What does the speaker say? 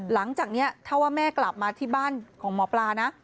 หลังจากนี้ถ้าว่าแม่กลับมาที่บ้านของหมอปลานะ